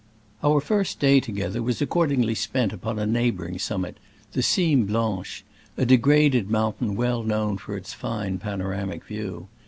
Our first day together was ac cordingly spent upon a neighboring summit, the Cimes Blanches — a de graded mountain well known for its fine panoramic view.